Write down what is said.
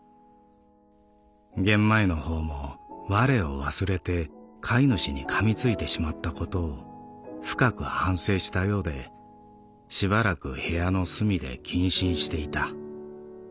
ゲンマイのほうも我を忘れて飼い主に噛みついてしまったことを深く反省したようでしばらく部屋の隅で謹慎していた。